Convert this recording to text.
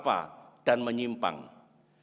tetapi saya mengingatkan kepada anda